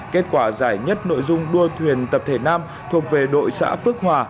kết quả giải nhất nội dung đua thuyền tập thể nam thuộc về đội xã phước hòa